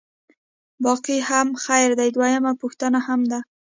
باقي هم خیر دی، دویمه پوښتنه هم ده.